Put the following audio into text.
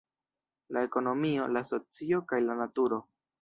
la ekonomio, la socio, kaj la naturo.